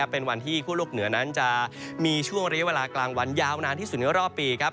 เป็นวันที่คั่วโลกเหนือนั้นจะมีช่วงระยะเวลากลางวันยาวนานที่สุดในรอบปีครับ